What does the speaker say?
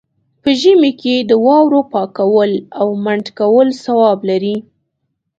په ژمي کې د واورو پاکول او منډ کول ثواب لري.